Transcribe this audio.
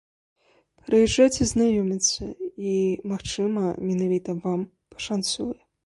Прыязджайце знаёміцца, і, магчыма, менавіта вам пашанцуе!